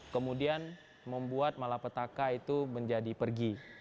kemudian membuat malapetaka itu menjadi pergi